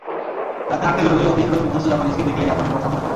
রাতে হাঁটতে বেরোলেই অফিস ফেরত বিধ্বস্ত জাপানিজকে দেখলেই আজমের কথা মনে পড়ে।